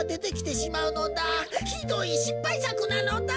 ひどいしっぱいさくなのだ！